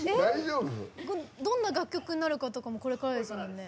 どんな楽曲になるかもこれからですもんね。